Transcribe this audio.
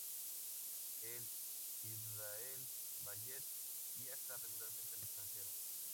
El Israel Ballet viaja regularmente al extranjero.